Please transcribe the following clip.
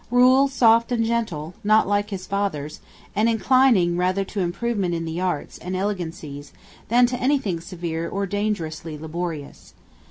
Rule soft and gentle, not like his father's, and inclining rather to improvement in the arts and elegancies than to anything severe or dangerously laborious.